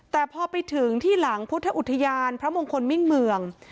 แต่พอไปถึงที่หลังพุทธอุทยานพระมงคลมิ่งเมือง